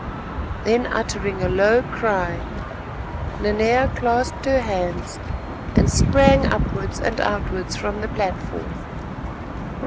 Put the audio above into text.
Then uttering a low cry Nanea clasped her hands and sprang upwards and outwards from the platform.